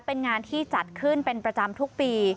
เป็นงานที่จัดขึ้นเป็นประจำทุกปี